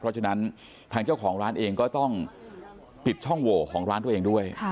เพราะฉะนั้นทางเจ้าของร้านเองก็ต้องปิดช่องโหวของร้านตัวเองด้วย